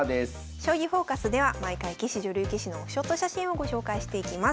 「将棋フォーカス」では毎回棋士女流棋士のオフショット写真をご紹介していきます。